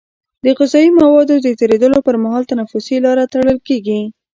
د غذایي موادو د تیرېدلو پر مهال تنفسي لاره تړل کېږي.